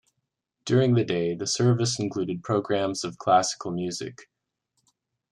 During the day, the Service included programmes of classical music.